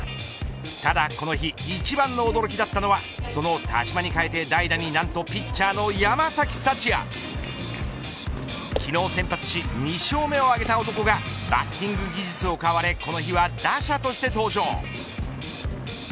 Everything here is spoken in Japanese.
ただこの日一番の驚きだったのはその田嶋に代えて代打に何とピッチャーの山崎福也昨日先発し、２勝目を挙げた男がバッティング技術を買われこの日は打者として登場。